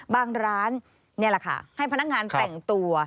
ร้านนี่แหละค่ะให้พนักงานแต่งตัว